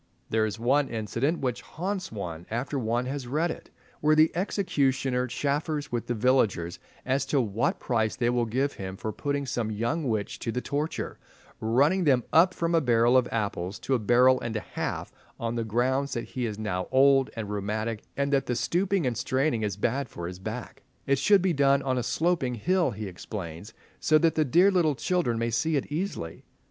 There is one incident which haunts one after one has read it, where the executioner chaffers with the villagers as to what price they will give him for putting some young witch to the torture, running them up from a barrel of apples to a barrel and a half, on the grounds that he is now old and rheumatic, and that the stooping and straining is bad for his back. It should be done on a sloping hill, he explains, so that the "dear little children" may see it easily.